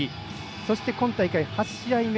そして今大会、８試合目。